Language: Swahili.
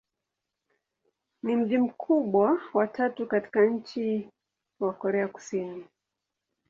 Ni mji mkubwa wa tatu katika nchi wa Korea Kusini.